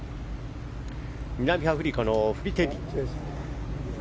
南アフリカのフリテリ。